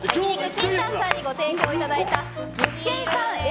ＫＩＮＴＡＮさんにご提供いただいた岐阜県産Ａ